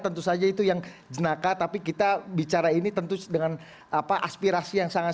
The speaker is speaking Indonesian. tentu saja itu yang jenaka tapi kita bicara ini tentu dengan apa aspirasi yang sangat